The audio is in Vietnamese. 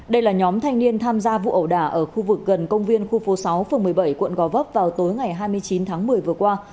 đây là nhóm thanh niên tham gia vụ ẩu đả ở khu vực gần công viên khu phố sáu phường một mươi bảy quận gò vấp vào tối ngày hai mươi chín tháng một mươi vừa qua